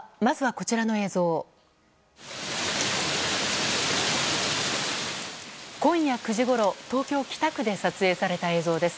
こちら今夜９時ごろ東京・北区で撮影された映像です。